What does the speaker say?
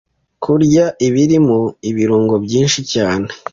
Kurya ibirimo ibirungo byinshi cyane